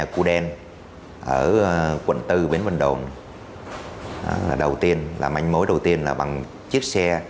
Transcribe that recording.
cụ đen ở quận bốn bến văn động là đầu tiên là mảnh mối đầu tiên là bằng chiếc xe